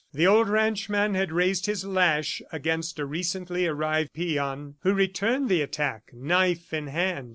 The old ranchman had raised his lash against a recently arrived peon who returned the attack, knife in hand.